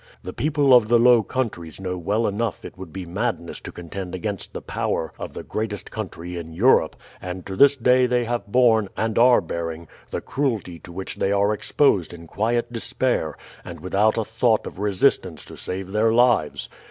The people of the Low Countries know well enough it would be madness to contend against the power of the greatest country in Europe, and to this day they have borne, and are bearing, the cruelty to which they are exposed in quiet despair, and without a thought of resistance to save their lives.